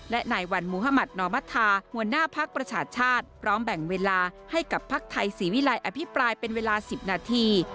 และนายวันมุธมัธนอมธาหัวหน้าภักดิ์ประชาชาติพร้อมแบ่งเวลาให้กับพักไทยศรีวิลัยอภิปรายเป็นเวลา๑๐นาที